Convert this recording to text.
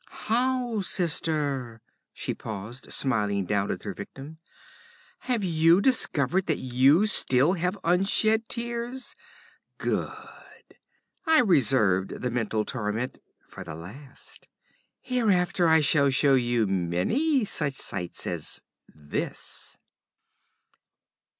'How, sister!' She paused, smiling down at her victim. 'Have you discovered that you still have unshed tears? Good! I reserved the mental torment for the last. Hereafter I shall show you many such sights as this!'